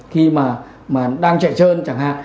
khi mà đang chạy trơn chẳng hạn